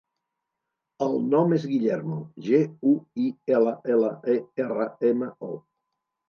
El nom és Guillermo: ge, u, i, ela, ela, e, erra, ema, o.